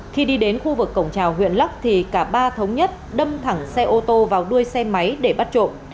khi đi đến khu vực cổng trào huyện lắc thì cả ba thống nhất đâm thẳng xe ô tô vào đuôi xe máy để bắt trộm